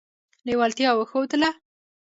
لېوالتیا وښودله.